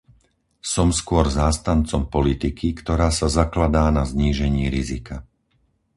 Som skôr zástancom politiky, ktorá sa zakladá na znížení rizika.